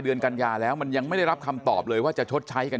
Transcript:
กันยาแล้วมันยังไม่ได้รับคำตอบเลยว่าจะชดใช้กัน